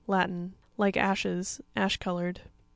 —Latin. Like ashes; ash colored.